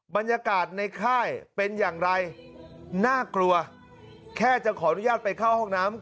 บรรยากาศในค่ายเป็นอย่างไรน่ากลัวแค่จะขออนุญาตไปเข้าห้องน้ำ